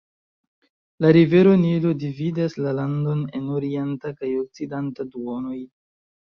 La rivero Nilo dividas la landon en orienta kaj okcidenta duonoj.